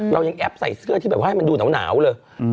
เรายังแอปใส่เสื้อที่แบบว่าให้มันดูหนาวเลย